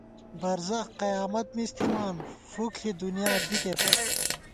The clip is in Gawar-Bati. برزَخ قیامت مِز تھِمان ، فُک ݪی دُنیا دِکےپت